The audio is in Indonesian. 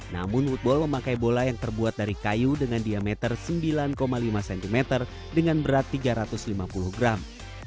namun woodball memakai bola yang terbuat dari kayu dengan diameter sembilan lima cm dengan berat tiga ratus lima puluh gram